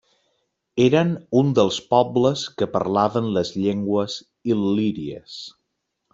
Eren un dels pobles que parlaven les llengües il·líries.